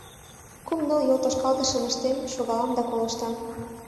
Кум-ныл йолтошкалтышым ыштем, шогалам да колыштам.